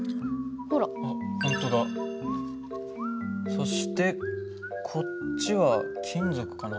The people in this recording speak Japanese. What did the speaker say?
そしてこっちは金属かな？